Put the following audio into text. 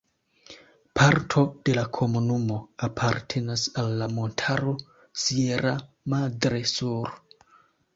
Parto de la komunumo apartenas al la montaro "Sierra Madre Sur".